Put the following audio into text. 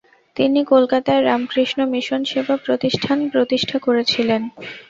তিনি কলকাতায় রামকৃষ্ণ মিশন সেবা প্রতিষ্টান প্রতিষ্ঠা করেছিলেন।